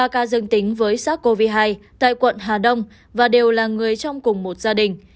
ba ca dương tính với sars cov hai tại quận hà đông và đều là người trong cùng một gia đình